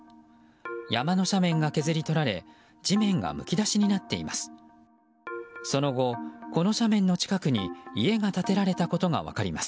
山の斜面が削り取られ地面がむき出しになっています。